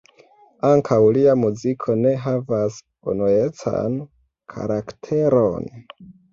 Ankaŭ lia muziko ne havas unuecan karakteron.